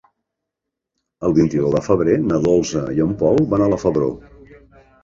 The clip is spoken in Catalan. El vint-i-nou de febrer na Dolça i en Pol van a la Febró.